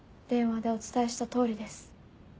電話でお伝えした通りです。